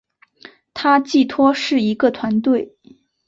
它寄托是一个团队